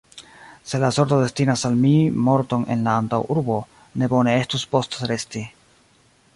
Se la sorto destinas al mi morton en la antaŭurbo, ne bone estus postresti.